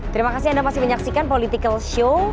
terima kasih anda masih menyaksikan political show